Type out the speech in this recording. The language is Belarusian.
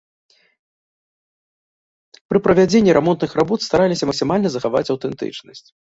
Пры правядзенні рамонтных работ стараліся максімальна захаваць аўтэнтычнасць.